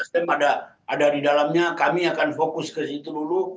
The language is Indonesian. nasdem ada di dalamnya kami akan fokus ke situ dulu